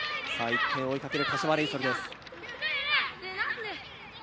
１点を追いかける柏レイソルです。